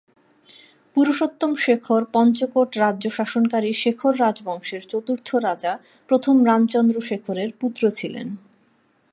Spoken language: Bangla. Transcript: পুরুষোত্তম শেখর পঞ্চকোট রাজ্য শাসনকারী শেখর রাজবংশের চতুর্থ রাজা প্রথম রামচন্দ্র শেখরের পুত্র ছিলেন।